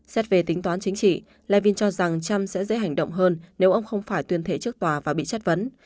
xét về tính toán chính trị live cho rằng trump sẽ dễ hành động hơn nếu ông không phải tuyên thệ trước tòa và bị chất vấn